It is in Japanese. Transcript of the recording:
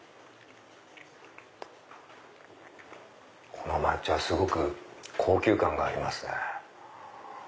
この抹茶すごく高級感がありますね。